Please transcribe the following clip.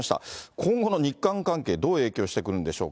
今後の日韓関係、どう影響してくるんでしょうか。